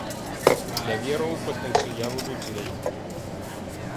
Я веру ў патэнцыял людзей.